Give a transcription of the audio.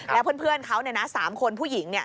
แล้วเพื่อนเขา๓คนผู้หญิง